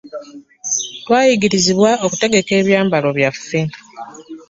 Twayigirizibwa okutegeka ebyambalo byaffe.